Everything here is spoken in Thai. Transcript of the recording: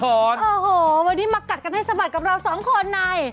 โอ้โหวันนี้มากัดกันให้สะบัดกับเราสองคนใน